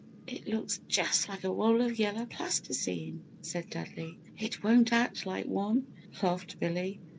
"It looks just like a roll of yellow plasticene!" said Dudley. "It won't act like one!" laughed Billy.